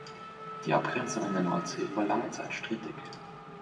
Die Abgrenzung in der Nordsee war lange Zeit strittig.